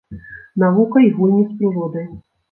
Навука і гульні з прыродай.